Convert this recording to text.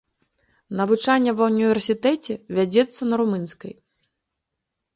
Навучанне ва ўніверсітэце вядзецца на румынскай.